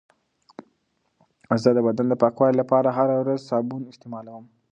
زه د بدن د پاکوالي لپاره هره ورځ صابون استعمالوم.